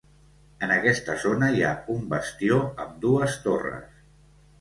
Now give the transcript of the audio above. En aquesta zona hi ha un bastió amb dues torres.